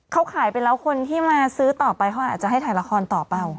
เขาขายไปแล้วคนที่มาซื้อต่อไปเขาอาจจะให้ถ่ายละครต่อเปล่า